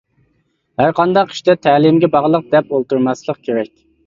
ھەرقانداق ئىشتا تەلىيىمگە باغلىق دەپ ئولتۇرماسلىق كېرەك.